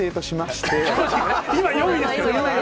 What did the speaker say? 今、４位ですけど。